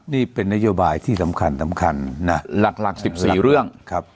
นี่เป็นนโยบายที่สำคัญสำคัญนะหลักหลักสิบสี่เรื่องครับ